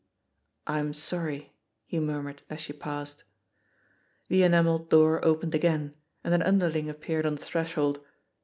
"I'm sorry," he mur mured as she passed. The enamelled door opened again and an underling appeared on the threshold.